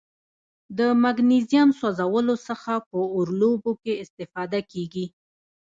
د مګنیزیم سوځیدلو څخه په اور لوبو کې استفاده کیږي.